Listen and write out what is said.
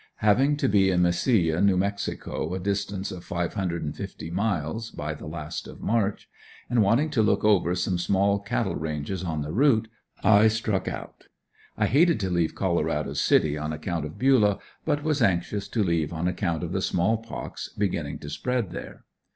Having to be in Mesilla, New Mexico, a distance of five hundred and fifty miles, by the last of March, and wanting to look over some small cattle ranges on the route, I struck out. I hated to leave Colorado City on account of Bulah, but was anxious to leave on account of the small pox beginning to spread there.